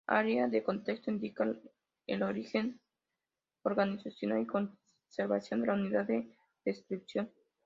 Área de contexto: Indica el origen, organización y conservación de la unidad de descripción.